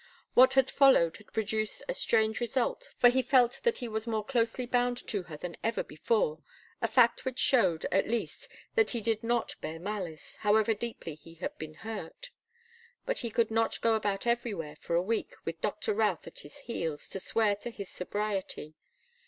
What had followed had produced a strange result, for he felt that he was more closely bound to her than ever before, a fact which showed, at least, that he did not bear malice, however deeply he had been hurt. But he could not go about everywhere for a week with Doctor Routh at his heels to swear to his sobriety.